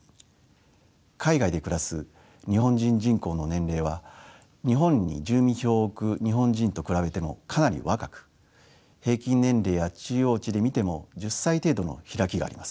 海外で暮らす日本人人口の年齢は日本に住民票を置く日本人と比べてもかなり若く平均年齢や中央値で見ても１０歳程度の開きがあります。